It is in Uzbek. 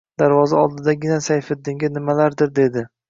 Darvoza oldidagina Sayfiddinga nimalardir dedi